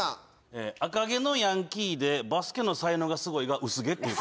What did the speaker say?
赤毛のヤンキーでバスケの才能がすごいが薄毛っていう。